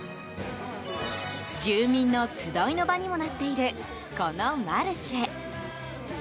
住民の集いの場にもなっているこのマルシェ。